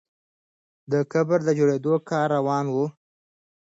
د قبر د جوړېدو کار روان وو.